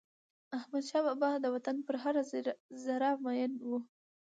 احمدشاه بابا د وطن پر هره ذره میین و.